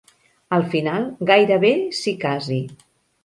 Al final, gairebé s'hi casi.